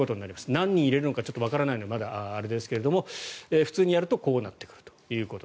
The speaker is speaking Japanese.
何人入れるのかわからないのでまだあれですが普通にやるとこうなってくると。